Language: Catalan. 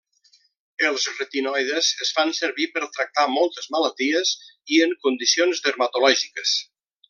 Els retinoides es fan servir per tractar moltes malalties i en condicions dermatològiques.